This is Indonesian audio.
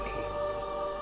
putraku keluar dari sini